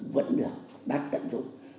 vẫn được bác tận dụng